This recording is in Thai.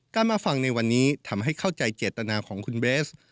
มาฟังในวันนี้ทำให้เข้าใจเจตนาของคุณเบส